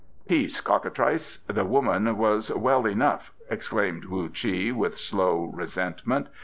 "Peace, cockatrice! the woman was well enough," exclaimed Wu Chi, with slow resentment.